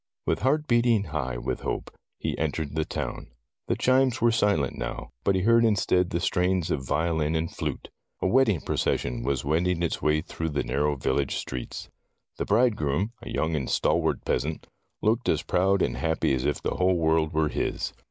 • With heart beating high with hope, he entered the town. The chimes were silent now, but he heard instead the strains of violin and flute. A wedding procession was wending its way through the narrow village streets. The bridegroom, a young and stalwart peasant, looked as proud and happy as if the whole world were his.